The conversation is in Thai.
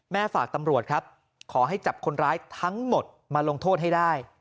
ฝากตำรวจครับขอให้จับคนร้ายทั้งหมดมาลงโทษให้ได้